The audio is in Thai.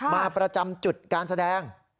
มาประจำจุดการแสดง